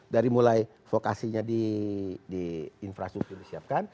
dari mulai vokasinya di infrastruktur disiapkan